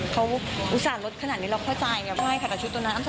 เราคุยกันแล้วเรียบร้อยแต่ว่าก็อยากจะให้ทางค่ายบางคนพูดเองดีกว่าเนอะ